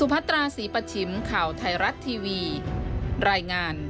โปรดติดตามตอนต่อไป